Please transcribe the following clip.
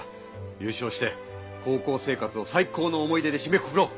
ゆうしょうして高校生活を最高の思い出でしめくくろう！